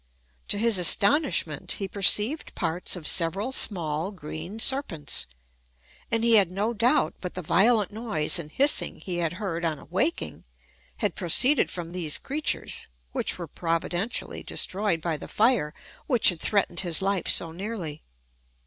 To his astonishment, he perceived parts of several small green serpents: and he had no doubt but the violent noise and hissing he had heard on awaking, had proceeded from these creatures, which were providentially destroyed by the fire which had threatened his life so nearly.